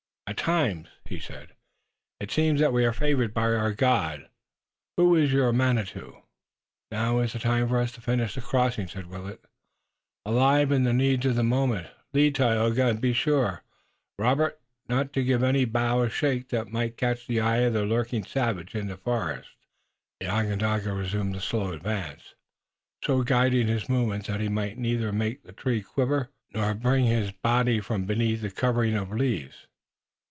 "At times," he said, "it seems that we are favored by our God, who is your Manitou." "Now is the time for us to finish the crossing," said Willet, alive to the needs of the moment. "Lead, Tayoga, and be sure, Robert, not to give any bough a shake that might catch the eye of a lurking savage in the forest." The Onondaga resumed the slow advance, so guiding his movements that he might neither make the tree quiver nor bring his body from beneath the covering of leaves.